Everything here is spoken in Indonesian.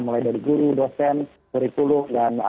mulai dari guru dosen perikuluk dan artis